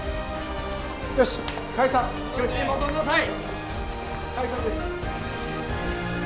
よし解散教室に戻んなさい